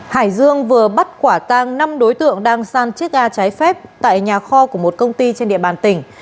hải dương vừa bắt quả tang năm đối tượng đang san chiếc gà trái phép tại nhà kho của một công ty trên địa bàn tỉnh